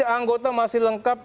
anggota masih lengkap